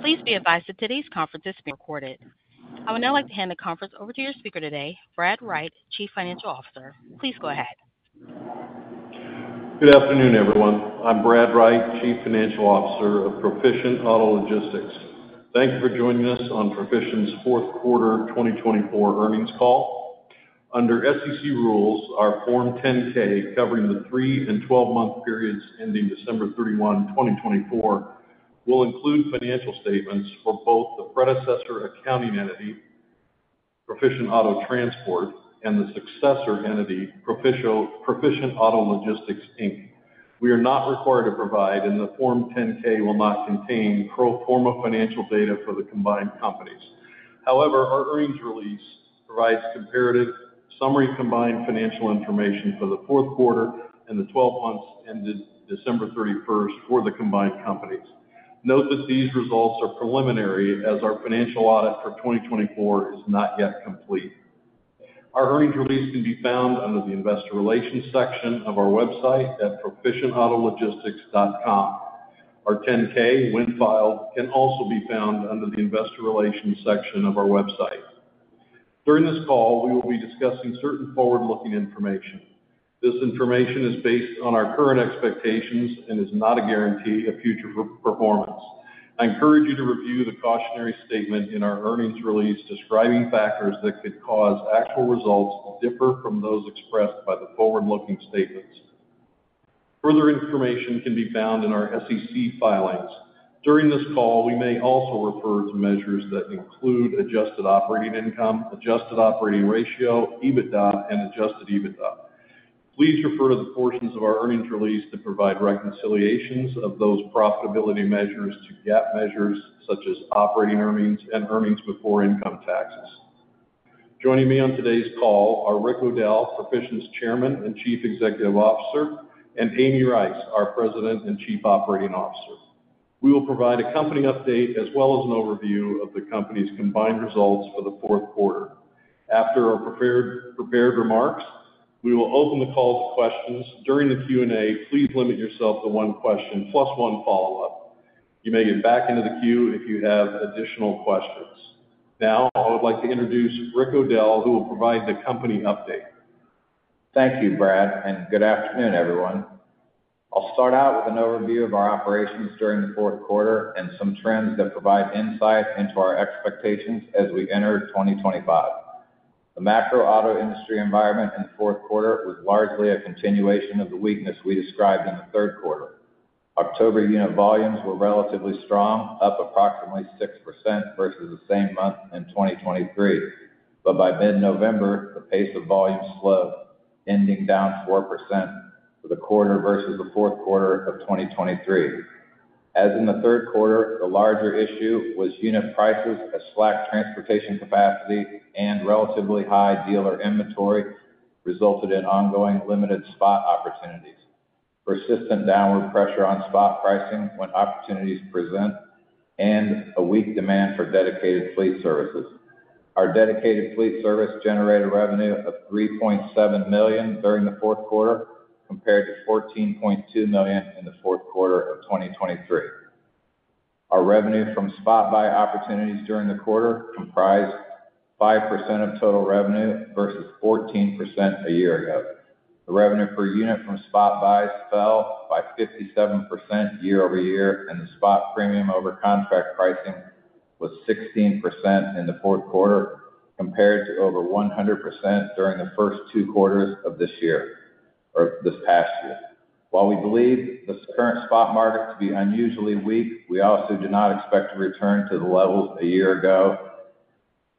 Please be advised that today's conference is being recorded. I would now like to hand the conference over to your speaker today, Brad Wright, Chief Financial Officer. Please go ahead. Good afternoon, everyone. I'm Brad Wright, Chief Financial Officer of Proficient Auto Logistics. Thank you for joining us on Proficient's fourth quarter 2024 earnings call. Under SEC rules, our Form 10-K covering the three and 12-month periods ending December 31, 2024, will include financial statements for both the predecessor accounting entity, Proficient Auto Transport, and the successor entity, Proficient Auto Logistics. We are not required to provide, and the Form 10-K will not contain pro forma financial data for the combined companies. However, our earnings release provides comparative summary combined financial information for the fourth quarter and the 12 months ended December 31 for the combined companies. Note that these results are preliminary as our financial audit for 2024 is not yet complete. Our earnings release can be found under the Investor Relations section of our website at proficientautologistics.com. Our 10-K, when filed, can also be found under the Investor Relations section of our website. During this call, we will be discussing certain forward-looking information. This information is based on our current expectations and is not a guarantee of future performance. I encourage you to review the cautionary statement in our earnings release describing factors that could cause actual results to differ from those expressed by the forward-looking statements. Further information can be found in our SEC filings. During this call, we may also refer to measures that include adjusted operating income, adjusted operating ratio, EBITDA, and adjusted EBITDA. Please refer to the portions of our earnings release to provide reconciliations of those profitability measures to GAAP measures such as operating earnings and earnings before income taxes. Joining me on today's call are Rick O'Dell, Proficient's Chairman and Chief Executive Officer, and Amy Rice, our President and Chief Operating Officer. We will provide a company update as well as an overview of the company's combined results for the fourth quarter. After our prepared remarks, we will open the call to questions. During the Q&A, please limit yourself to one question plus one follow-up. You may get back into the queue if you have additional questions. Now, I would like to introduce Rick O'Dell, who will provide the company update. Thank you, Brad, and good afternoon, everyone. I'll start out with an overview of our operations during the fourth quarter and some trends that provide insight into our expectations as we enter 2025. The macro auto industry environment in the fourth quarter was largely a continuation of the weakness we described in the third quarter. October unit volumes were relatively strong, up approximately 6% versus the same month in 2023. By mid-November, the pace of volumes slowed, ending down 4% for the quarter versus the fourth quarter of 2023. As in the third quarter, the larger issue was unit prices as slack transportation capacity and relatively high dealer inventory resulted in ongoing limited spot opportunities. Persistent downward pressure on spot pricing when opportunities present and a weak demand for dedicated fleet services. Our dedicated fleet service generated revenue of $3.7 million during the fourth quarter compared to $14.2 million in the fourth quarter of 2023. Our revenue from spot buy opportunities during the quarter comprised 5% of total revenue versus 14% a year ago. The revenue per unit from spot buys fell by 57% year over year, and the spot premium over contract pricing was 16% in the fourth quarter compared to over 100% during the first two quarters of this year or this past year. While we believe the current spot market to be unusually weak, we also do not expect to return to the levels a year ago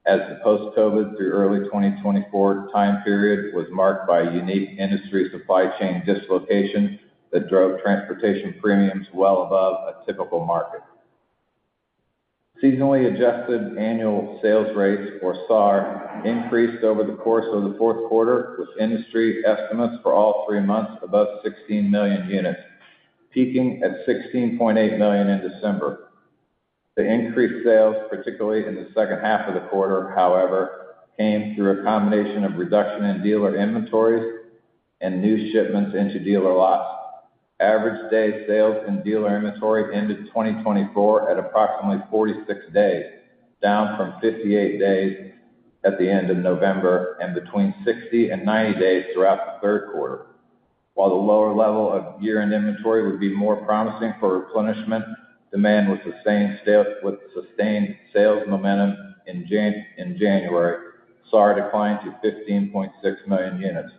as the post-COVID through early 2024 time period was marked by unique industry supply chain dislocation that drove transportation premiums well above a typical market. Seasonally adjusted annual sales rates, or SAAR, increased over the course of the fourth quarter with industry estimates for all three months above 16 million units, peaking at 16.8 million in December. The increased sales, particularly in the second half of the quarter, however, came through a combination of reduction in dealer inventories and new shipments into dealer lots. Average day sales in dealer inventory ended 2024 at approximately 46 days, down from 58 days at the end of November and between 60 and 90 days throughout the third quarter. While the lower level of year-end inventory would be more promising for replenishment, demand was sustained sales momentum in January. SAAR declined to 15.6 million units.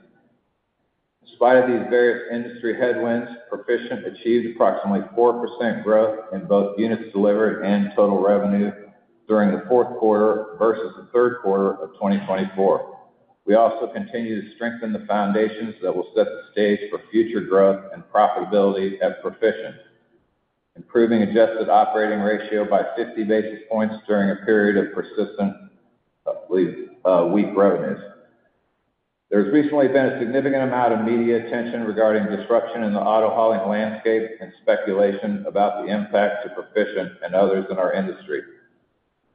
In spite of these various industry headwinds, Proficient achieved approximately 4% growth in both units delivered and total revenue during the fourth quarter versus the third quarter of 2024. We also continue to strengthen the foundations that will set the stage for future growth and profitability at Proficient, improving adjusted operating ratio by 50 basis points during a period of persistent weak revenues. There has recently been a significant amount of media attention regarding disruption in the auto hauling landscape and speculation about the impact to Proficient and others in our industry.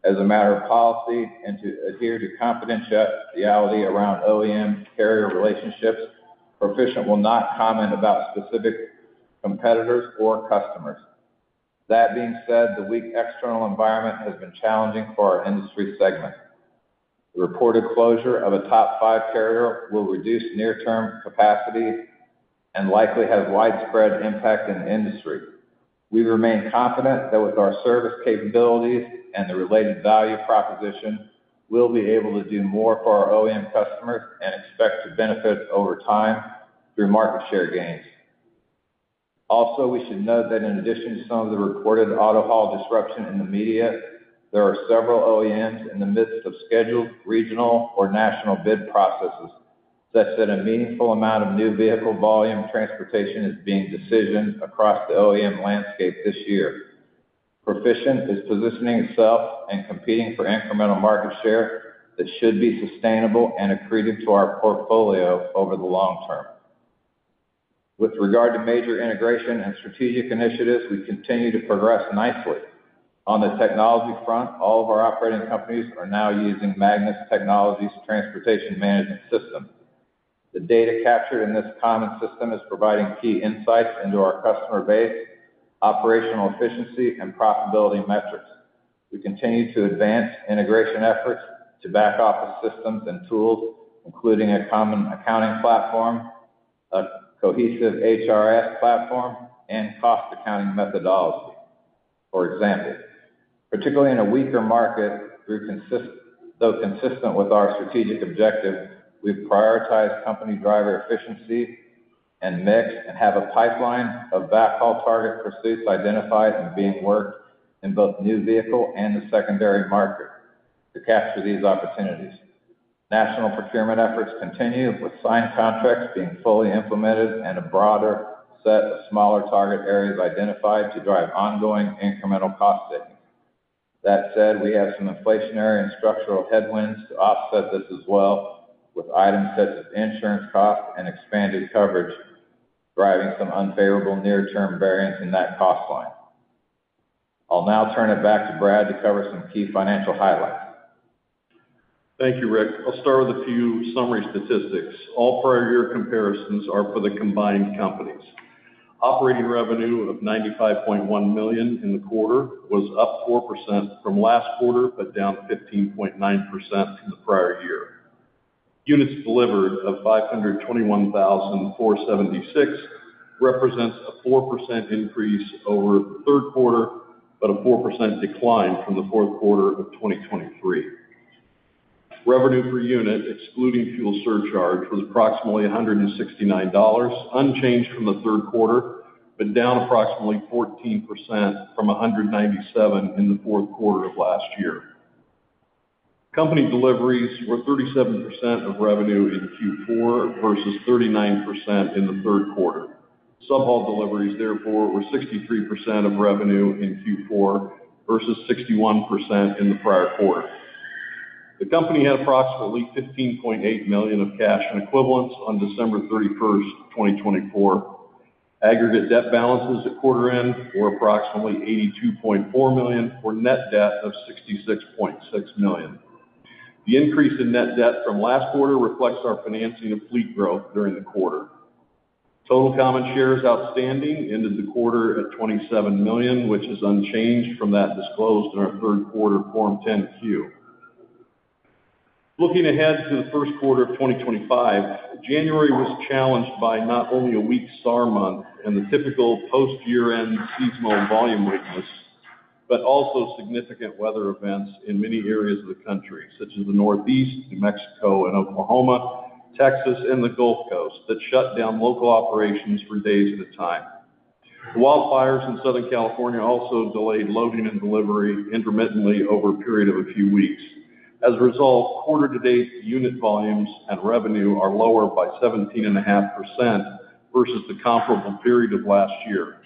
As a matter of policy and to adhere to confidentiality around OEM carrier relationships, Proficient will not comment about specific competitors or customers. That being said, the weak external environment has been challenging for our industry segment. The reported closure of a top five carrier will reduce near-term capacity and likely has widespread impact in the industry. We remain confident that with our service capabilities and the related value proposition, we'll be able to do more for our OEM customers and expect to benefit over time through market share gains. Also, we should note that in addition to some of the reported auto haul disruption in the media, there are several OEMs in the midst of scheduled regional or national bid processes such that a meaningful amount of new vehicle volume transportation is being decisioned across the OEM landscape this year. Proficient is positioning itself and competing for incremental market share that should be sustainable and accretive to our portfolio over the long term. With regard to major integration and strategic initiatives, we continue to progress nicely. On the technology front, all of our operating companies are now using Magnus Technologies' transportation management system. The data captured in this common system is providing key insights into our customer base, operational efficiency, and profitability metrics. We continue to advance integration efforts to back office systems and tools, including a common accounting platform, a cohesive HRS platform, and cost accounting methodology, for example. Particularly in a weaker market, though consistent with our strategic objective, we've prioritized company driver efficiency and mix and have a pipeline of backhaul target pursuits identified and being worked in both new vehicle and the secondary market to capture these opportunities. National procurement efforts continue with signed contracts being fully implemented and a broader set of smaller target areas identified to drive ongoing incremental cost savings. That said, we have some inflationary and structural headwinds to offset this as well with items such as insurance costs and expanded coverage driving some unfavorable near-term variance in that cost line. I'll now turn it back to Brad to cover some key financial highlights. Thank you, Rick. I'll start with a few summary statistics. All prior year comparisons are for the combined companies. Operating revenue of $95.1 million in the quarter was up 4% from last quarter, but down 15.9% from the prior year. Units delivered of 521,476 represents a 4% increase over the third quarter, but a 4% decline from the fourth quarter of 2023. Revenue per unit, excluding fuel surcharge, was approximately $169, unchanged from the third quarter, but down approximately 14% from $197 in the fourth quarter of last year. Company deliveries were 37% of revenue in Q4 versus 39% in the third quarter. Sub-haul deliveries, therefore, were 63% of revenue in Q4 versus 61% in the prior quarter. The company had approximately $15.8 million of cash and equivalents on December 31st, 2024. Aggregate debt balances at quarter-end were approximately $82.4 million for net debt of $66.6 million. The increase in net debt from last quarter reflects our financing of fleet growth during the quarter. Total common shares outstanding ended the quarter at $27 million, which is unchanged from that disclosed in our third quarter Form 10-Q. Looking ahead to the first quarter of 2025, January was challenged by not only a weak SAAR month and the typical post-year-end seasonal volume weakness, but also significant weather events in many areas of the country, such as the Northeast, New Mexico, Oklahoma, Texas, and the Gulf Coast that shut down local operations for days at a time. Wildfires in Southern California also delayed loading and delivery intermittently over a period of a few weeks. As a result, quarter-to-date unit volumes and revenue are lower by 17.5% versus the comparable period of last year.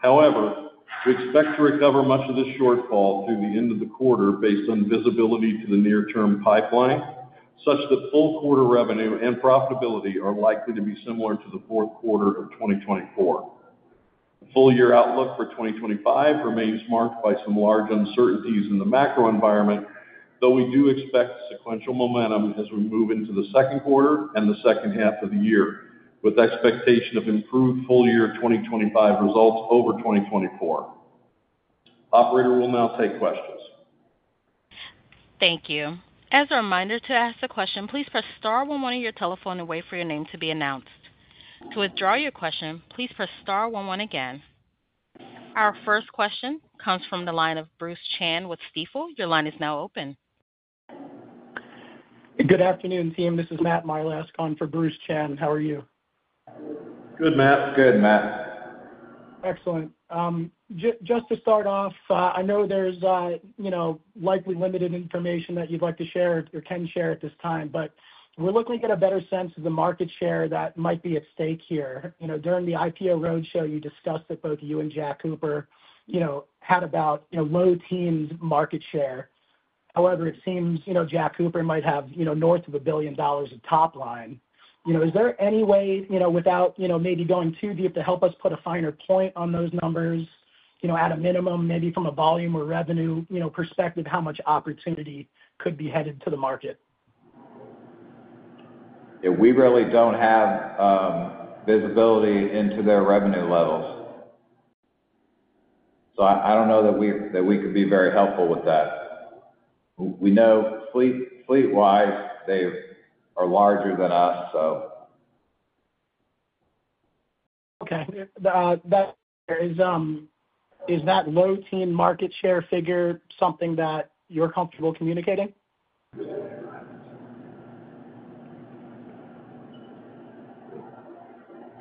However, we expect to recover much of this shortfall through the end of the quarter based on visibility to the near-term pipeline, such that full quarter revenue and profitability are likely to be similar to the fourth quarter of 2024. The full-year outlook for 2025 remains marked by some large uncertainties in the macro environment, though we do expect sequential momentum as we move into the second quarter and the second half of the year, with expectation of improved full-year 2025 results over 2024. Operator we'll now take questions. Thank you. As a reminder to ask the question, please press star one one on your telephone and wait for your name to be announced. To withdraw your question, please press star one one again. Our first question comes from the line of Bruce Chan with Stifel. Your line is now open. Good afternoon, team. This is Matt Milask for Bruce Chan. How are you? Good, Matt. Good, Matt. Excellent. Just to start off, I know there's likely limited information that you'd like to share or can share at this time, but we're looking at a better sense of the market share that might be at stake here. During the IPO roadshow, you discussed that both you and Jack Cooper had about low teens market share. However, it seems Jack Cooper might have north of a billion dollars of top line. Is there any way, without maybe going too deep, to help us put a finer point on those numbers, at a minimum, maybe from a volume or revenue perspective, how much opportunity could be headed to the market? We really don't have visibility into their revenue levels. I don't know that we could be very helpful with that. We know fleet-wise they are larger than us, so. Okay. Is that low teen market share figure something that you're comfortable communicating?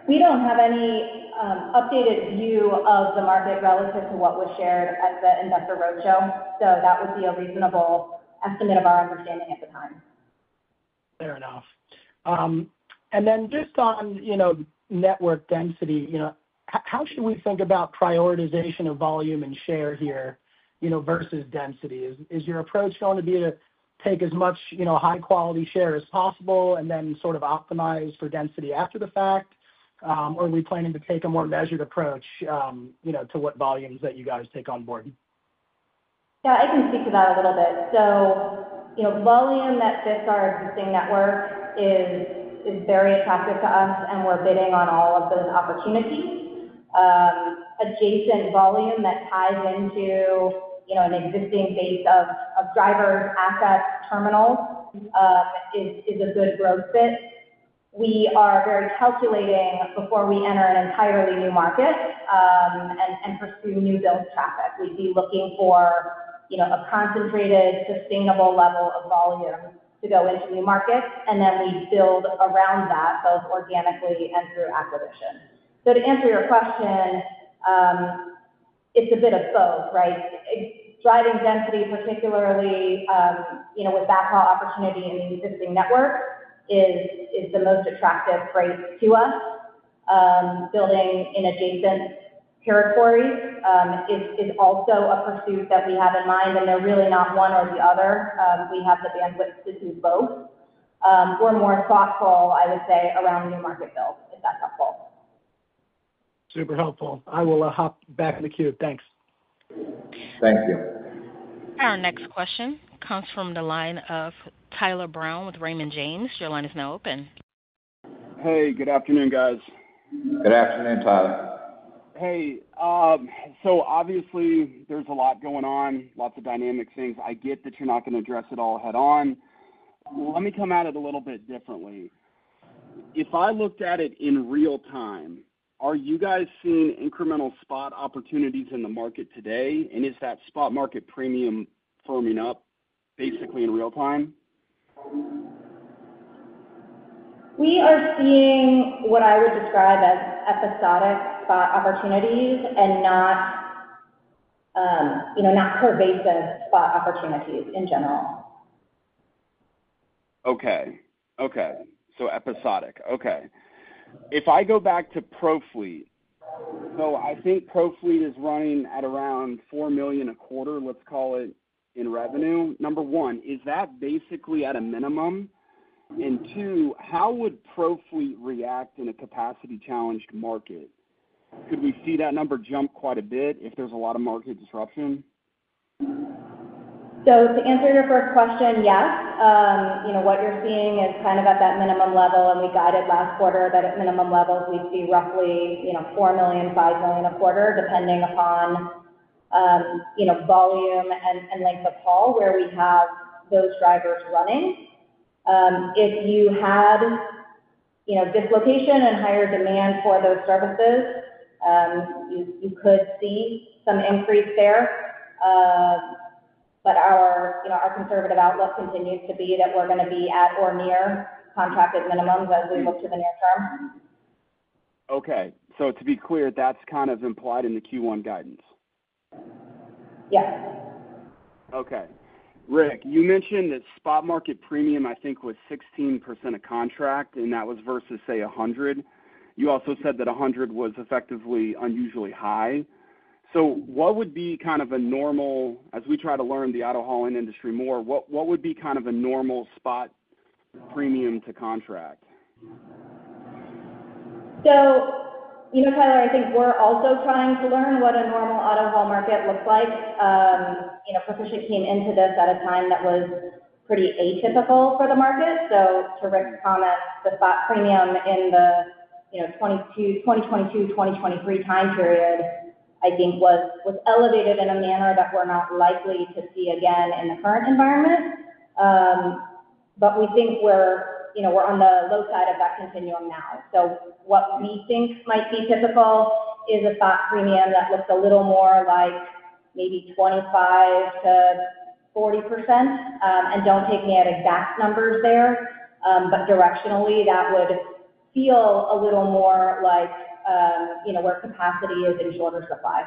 We do not have any updated view of the market relative to what was shared at the Investor Roadshow. That would be a reasonable estimate of our understanding at the time. Fair enough. Just on network density, how should we think about prioritization of volume and share here versus density? Is your approach going to be to take as much high-quality share as possible and then sort of optimize for density after the fact? Are we planning to take a more measured approach to what volumes that you guys take on board? Yeah, I can speak to that a little bit. Volume that fits our existing network is very attractive to us, and we're bidding on all of those opportunities. Adjacent volume that ties into an existing base of drivers, assets, terminals is a good growth bit. We are very calculating before we enter an entirely new market and pursue new build traffic. We'd be looking for a concentrated, sustainable level of volume to go into new markets, and then we build around that both organically and through acquisition. To answer your question, it's a bit of both, right? Driving density, particularly with backhaul opportunity in the existing network, is the most attractive rate to us. Building in adjacent territories is also a pursuit that we have in mind, and they're really not one or the other. We have the bandwidth to do both. We're more thoughtful, I would say, around new market builds, if that's helpful. Super helpful. I will hop back in the queue. Thanks. Thank you. Our next question comes from the line of Tyler Brown with Raymond James. Your line is now open. Hey, good afternoon, guys. Good afternoon, Tyler. Hey. Obviously, there's a lot going on, lots of dynamic things. I get that you're not going to address it all head-on. Let me come at it a little bit differently. If I looked at it in real time, are you guys seeing incremental spot opportunities in the market today? Is that spot market premium firming up basically in real time? We are seeing what I would describe as episodic spot opportunities and not pervasive spot opportunities in general. Okay. Okay. Episodic. If I go back to ProFleet, I think ProFleet is running at around $4 million a quarter, let's call it, in revenue. Number one, is that basically at a minimum? Two, how would ProFleet react in a capacity-challenged market? Could we see that number jump quite a bit if there is a lot of market disruption? To answer your first question, yes. What you're seeing is kind of at that minimum level, and we guided last quarter that at minimum levels, we'd see roughly $4 million-$5 million a quarter, depending upon volume and length of haul where we have those drivers running. If you had dislocation and higher demand for those services, you could see some increase there. Our conservative outlook continues to be that we're going to be at or near contracted minimums as we look to the near term. Okay. To be clear, that's kind of implied in the Q1 guidance? Yes. Okay. Rick, you mentioned that spot market premium, I think, was 16% of contract, and that was versus, say, 100. You also said that 100 was effectively unusually high. What would be kind of a normal—as we try to learn the auto hauling industry more—what would be kind of a normal spot premium to contract? Tyler, I think we're also trying to learn what a normal auto haul market looks like. Proficient came into this at a time that was pretty atypical for the market. To Rick's comment, the spot premium in the 2022-2023 time period, I think, was elevated in a manner that we're not likely to see again in the current environment. We think we're on the low side of that continuum now. What we think might be typical is a spot premium that looks a little more like maybe 25%-40%. Don't take me at exact numbers there, but directionally, that would feel a little more like where capacity is in shorter supply.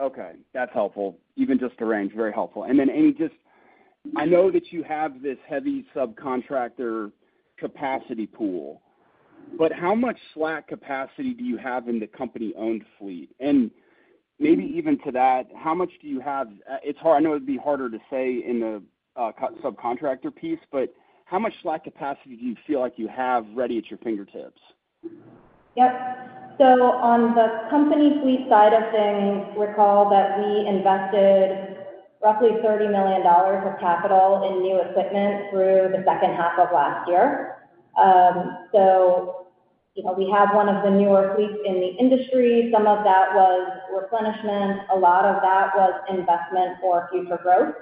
Okay. That's helpful. Even just the range, very helpful. I know that you have this heavy subcontractor capacity pool, but how much slack capacity do you have in the company-owned fleet? Maybe even to that, how much do you have? It's hard. I know it'd be harder to say in the subcontractor piece, but how much slack capacity do you feel like you have ready at your fingertips? Yep. On the company fleet side of things, recall that we invested roughly $30 million of capital in new equipment through the second half of last year. We have one of the newer fleets in the industry. Some of that was replenishment. A lot of that was investment for future growth.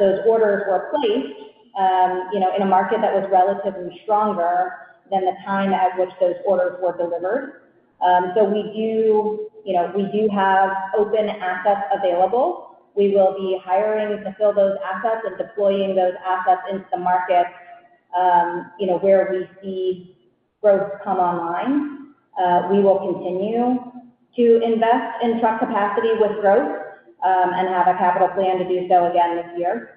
Those orders were placed in a market that was relatively stronger than the time at which those orders were delivered. We do have open assets available. We will be hiring to fill those assets and deploying those assets into the market where we see growth come online. We will continue to invest in truck capacity with growth and have a capital plan to do so again this year.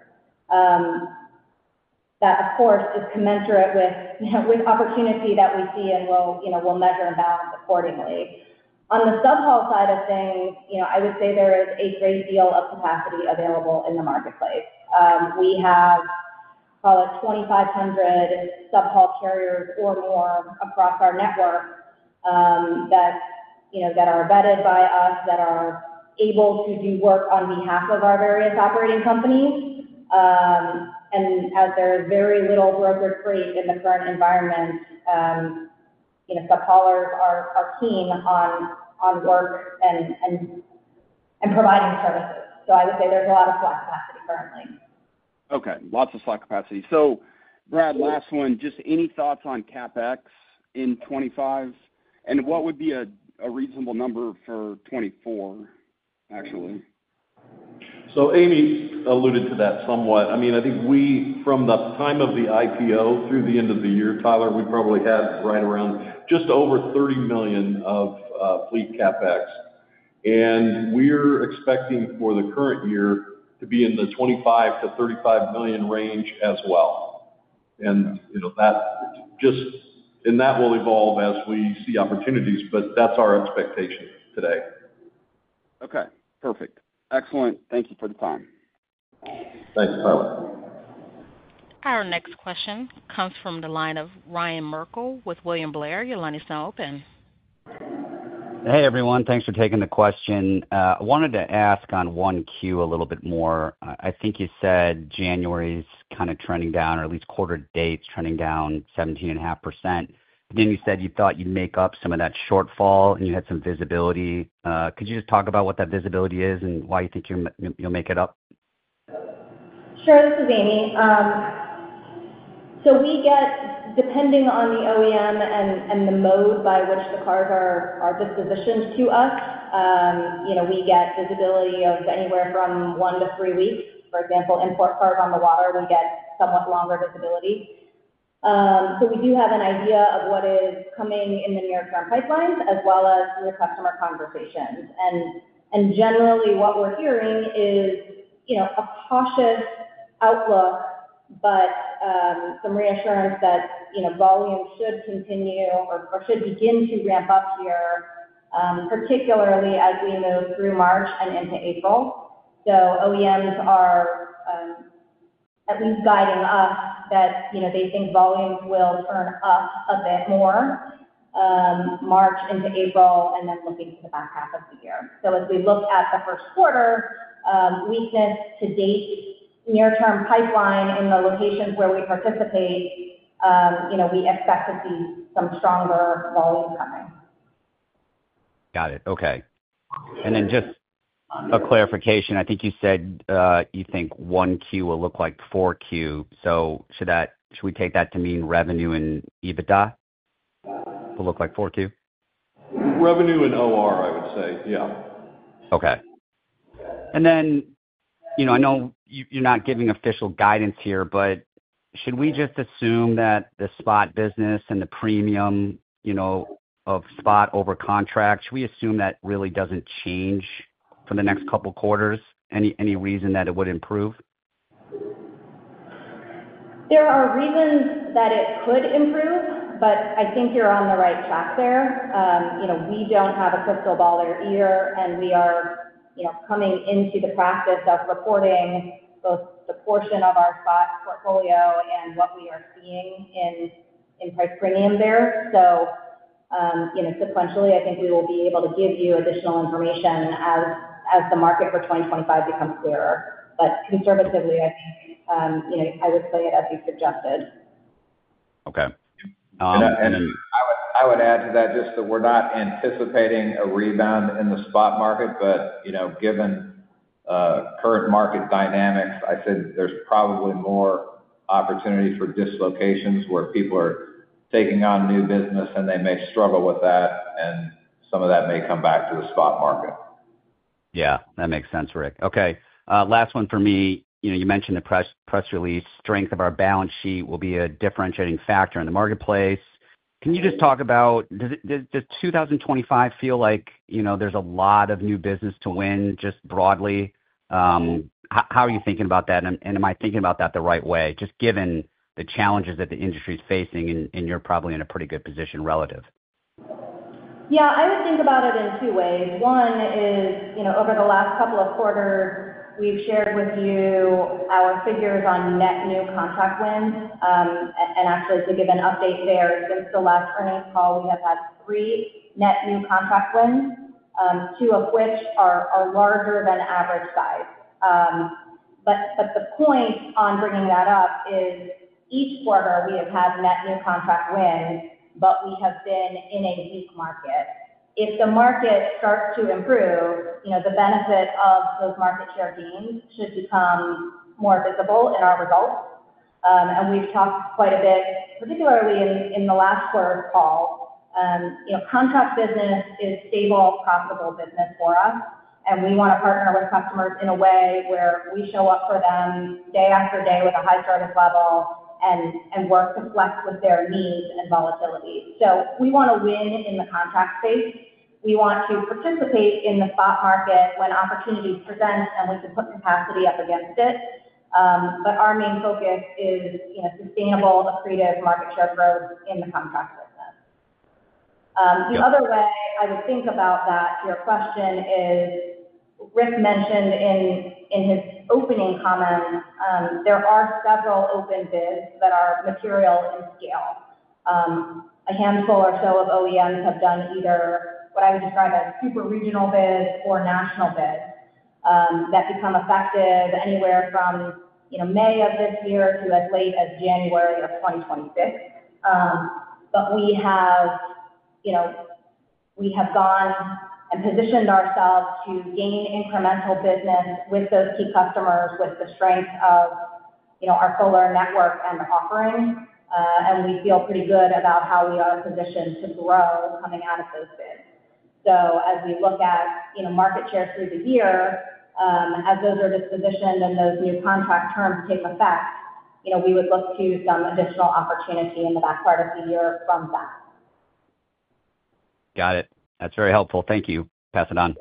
That, of course, is commensurate with opportunity that we see and will measure and balance accordingly. On the sub-haul side of things, I would say there is a great deal of capacity available in the marketplace. We have, call it, 2,500 sub-haul carriers or more across our network that are vetted by us, that are able to do work on behalf of our various operating companies. As there is very little brokerage freight in the current environment, sub-haulers are keen on work and providing services. I would say there's a lot of slack capacity currently. Lots of Slack capacity. Brad, last one. Just any thoughts on CapEx in 2025? And what would be a reasonable number for 2024, actually? Amy alluded to that somewhat. I mean, I think we, from the time of the IPO through the end of the year, Tyler, we probably had right around just over $30 million of fleet CapEx. We're expecting for the current year to be in the $25-$35 million range as well. That will evolve as we see opportunities, but that's our expectation today. Okay. Perfect. Excellent. Thank you for the time. Thanks, Tyler. Our next question comes from the line of Ryan Merkel with William Blair. Your line is now open. Hey, everyone. Thanks for taking the question. I wanted to ask on one Q a little bit more. I think you said January's kind of trending down, or at least quarter to date is trending down 17.5%. Then you said you thought you'd make up some of that shortfall, and you had some visibility. Could you just talk about what that visibility is and why you think you'll make it up? Sure. This is Amy. We get, depending on the OEM and the mode by which the cars are dispositioned to us, visibility of anywhere from one to three weeks. For example, import cars on the water, we get somewhat longer visibility. We do have an idea of what is coming in the near-term pipelines as well as through customer conversations. Generally, what we're hearing is a cautious outlook, but some reassurance that volume should continue or should begin to ramp up here, particularly as we move through March and into April. OEMs are at least guiding us that they think volumes will turn up a bit more March into April and then looking to the back half of the year. As we look at the first quarter, weakness to date, near-term pipeline in the locations where we participate, we expect to see some stronger volume coming. Got it. Okay. And then just a clarification. I think you said you think Q1 will look like Q4. Should we take that to mean revenue and EBITDA will look like Q4? Revenue and OR, I would say. Yeah. Okay. I know you're not giving official guidance here, but should we just assume that the spot business and the premium of spot over contract, should we assume that really doesn't change for the next couple of quarters? Any reason that it would improve? There are reasons that it could improve, but I think you're on the right track there. We don't have a crystal ball in our ear, and we are coming into the practice of reporting both the portion of our spot portfolio and what we are seeing in price premium there. Sequentially, I think we will be able to give you additional information as the market for 2025 becomes clearer. Conservatively, I think I would play it as you suggested. Okay. I would add to that just that we're not anticipating a rebound in the spot market, but given current market dynamics, I said there's probably more opportunity for dislocations where people are taking on new business, and they may struggle with that, and some of that may come back to the spot market. Yeah. That makes sense, Rick. Okay. Last one for me. You mentioned the press release. Strength of our balance sheet will be a differentiating factor in the marketplace. Can you just talk about does 2025 feel like there's a lot of new business to win just broadly? How are you thinking about that? Am I thinking about that the right way, just given the challenges that the industry is facing? You're probably in a pretty good position relative. Yeah. I would think about it in two ways. One is, over the last couple of quarters, we've shared with you our figures on net new contract wins. Actually, to give an update there, since the last earnings call, we have had three net new contract wins, two of which are larger than average size. The point on bringing that up is, each quarter, we have had net new contract wins, but we have been in a weak market. If the market starts to improve, the benefit of those market share gains should become more visible in our results. We've talked quite a bit, particularly in the last quarter of call. Contract business is stable, profitable business for us, and we want to partner with customers in a way where we show up for them day after day with a high service level and work to flex with their needs and volatility. We want to win in the contract space. We want to participate in the spot market when opportunities present, and we can put capacity up against it. Our main focus is sustainable, accretive market share growth in the contract business. The other way I would think about that, to your question, is Rick mentioned in his opening comments, there are several open bids that are material in scale. A handful or so of OEMs have done either what I would describe as super regional bids or national bids that become effective anywhere from May of this year to as late as January of 2026. We have gone and positioned ourselves to gain incremental business with those key customers with the strength of our solar network and offering. We feel pretty good about how we are positioned to grow coming out of those bids. As we look at market share through the year, as those are dispositioned and those new contract terms take effect, we would look to some additional opportunity in the back part of the year from that. Got it. That's very helpful. Thank you. Pass it on.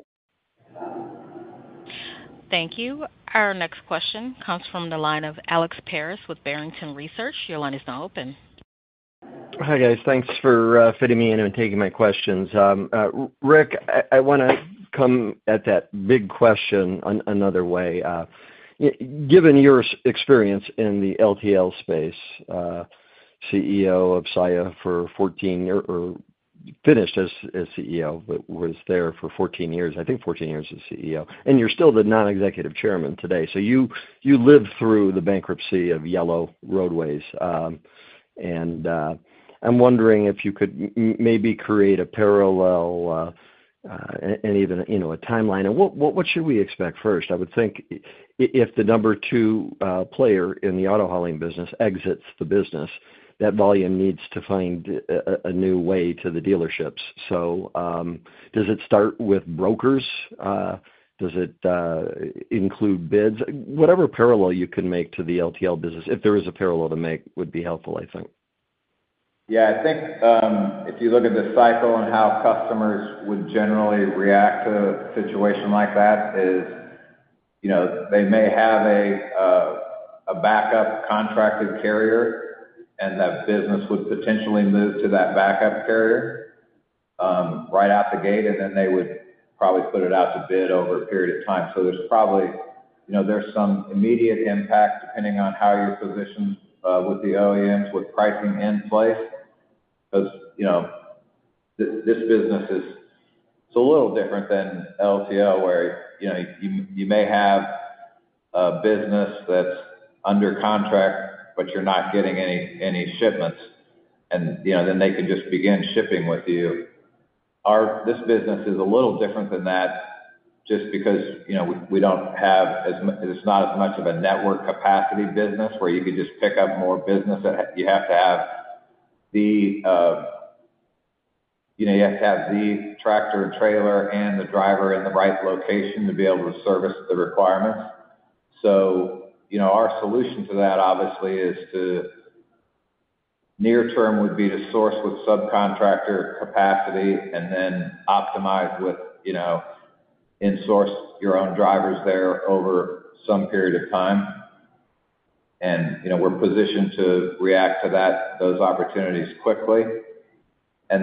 Thank you. Our next question comes from the line of Alex Paris with Barrington Research. Your line is now open. Hi guys. Thanks for fitting me in and taking my questions. Rick, I want to come at that big question another way. Given your experience in the LTL space, CEO of Saia for 14 or finished as CEO, but was there for 14 years. I think 14 years as CEO. And you're still the non-executive chairman today. You lived through the bankruptcy of Yellow Roadway. I'm wondering if you could maybe create a parallel and even a timeline. What should we expect first? I would think if the number two player in the auto hauling business exits the business, that volume needs to find a new way to the dealerships. Does it start with brokers? Does it include bids? Whatever parallel you can make to the LTL business, if there is a parallel to make, would be helpful, I think. Yeah. I think if you look at the cycle and how customers would generally react to a situation like that is they may have a backup contracted carrier, and that business would potentially move to that backup carrier right out the gate, and then they would probably put it out to bid over a period of time. There is probably some immediate impact depending on how you're positioned with the OEMs with pricing in place. Because this business is a little different than LTL, where you may have a business that's under contract, but you're not getting any shipments, and then they can just begin shipping with you. This business is a little different than that just because we don't have as it's not as much of a network capacity business where you could just pick up more business. You have to have the tractor and trailer and the driver in the right location to be able to service the requirements. Our solution to that, obviously, in the near term would be to source with subcontractor capacity and then optimize with in-source your own drivers there over some period of time. We're positioned to react to those opportunities quickly. As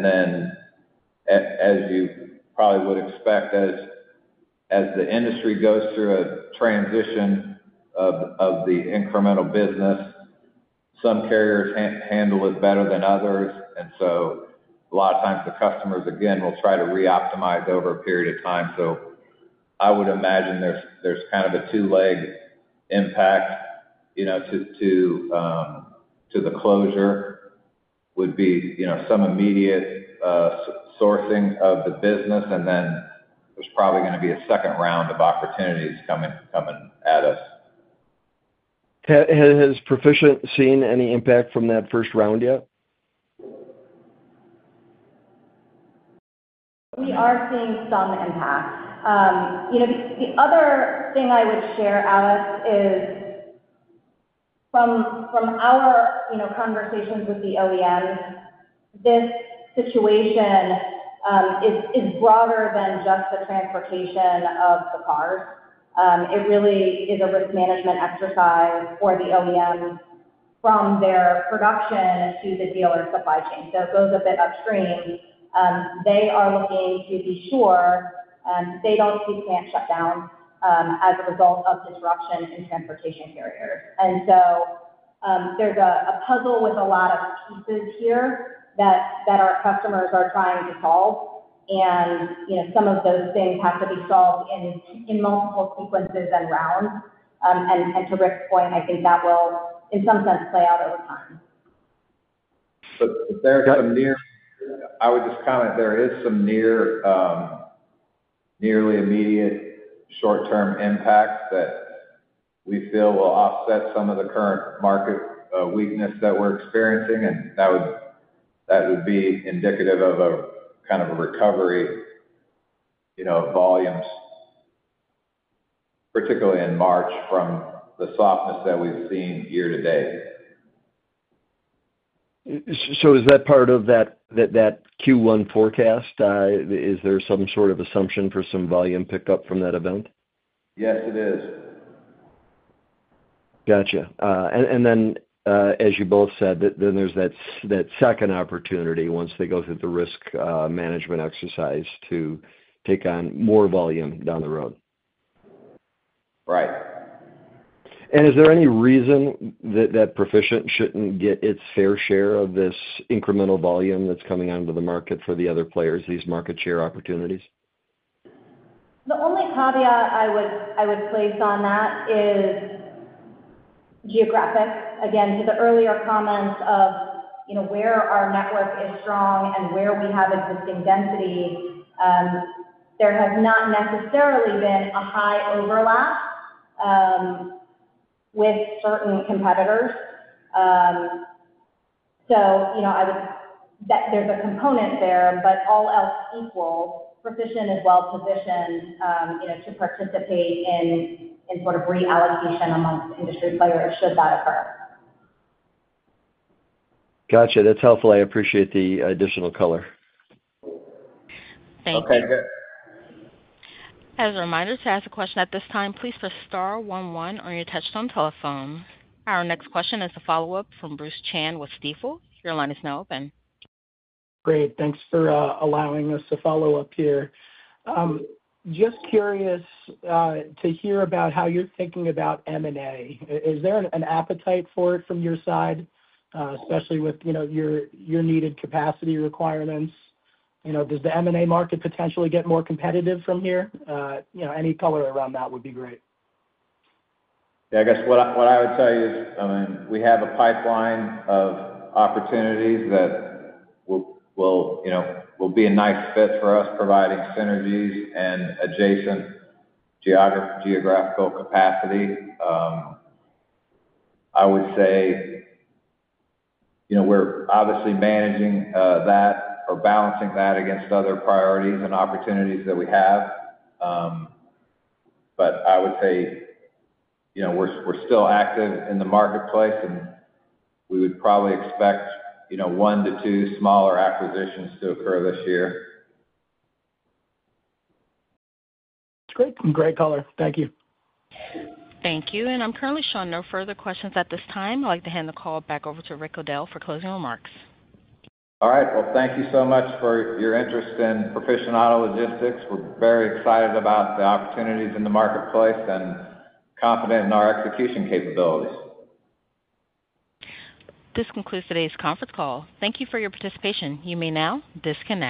you probably would expect, as the industry goes through a transition of the incremental business, some carriers handle it better than others. A lot of times, the customers, again, will try to reoptimize over a period of time. I would imagine there's kind of a two-leg impact to the closure: there would be some immediate sourcing of the business, and then there's probably going to be a second round of opportunities coming at us. Has Proficient seen any impact from that first round yet? We are seeing some impact. The other thing I would share, Alex, is from our conversations with the OEMs, this situation is broader than just the transportation of the cars. It really is a risk management exercise for the OEMs from their production to the dealer supply chain. It goes a bit upstream. They are looking to be sure they do not see plant shutdowns as a result of disruption in transportation carriers. There is a puzzle with a lot of pieces here that our customers are trying to solve. Some of those things have to be solved in multiple sequences and rounds. To Rick's point, I think that will, in some sense, play out over time. There are some nearly immediate short-term impacts that we feel will offset some of the current market weakness that we're experiencing. That would be indicative of a kind of a recovery of volumes, particularly in March from the softness that we've seen year to date. Is that part of that Q1 forecast? Is there some sort of assumption for some volume pickup from that event? Yes, it is. Gotcha. As you both said, then there is that second opportunity once they go through the risk management exercise to take on more volume down the road. Right. Is there any reason that Proficient shouldn't get its fair share of this incremental volume that's coming onto the market for the other players, these market share opportunities? The only caveat I would place on that is geographic. Again, to the earlier comments of where our network is strong and where we have existing density, there has not necessarily been a high overlap with certain competitors. There is a component there, but all else equal, Proficient is well-positioned to participate in sort of reallocation amongst industry players should that occur. Gotcha. That's helpful. I appreciate the additional color. Thank you. Okay. Good. As a reminder to ask a question at this time, please press star one one on your touch-tone telephone. Our next question is a follow-up from Bruce Chan with Stifel. Your line is now open. Great. Thanks for allowing us to follow up here. Just curious to hear about how you're thinking about M&A. Is there an appetite for it from your side, especially with your needed capacity requirements? Does the M&A market potentially get more competitive from here? Any color around that would be great. Yeah. I guess what I would tell you is, I mean, we have a pipeline of opportunities that will be a nice fit for us, providing synergies and adjacent geographical capacity. I would say we're obviously managing that or balancing that against other priorities and opportunities that we have. I would say we're still active in the marketplace, and we would probably expect one to two smaller acquisitions to occur this year. That's great. Great color. Thank you. Thank you. I'm currently showing no further questions at this time. I'd like to hand the call back over to Rick O'Dell for closing remarks. All right. Thank you so much for your interest in Proficient Auto Logistics. We're very excited about the opportunities in the marketplace and confident in our execution capabilities. This concludes today's conference call. Thank you for your participation. You may now disconnect.